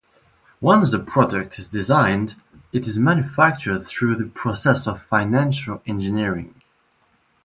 Once the product is designed, it is manufactured through the process of financial engineering.